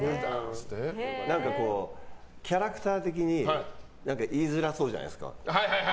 キャラクター的に言いづらそうじゃないですか。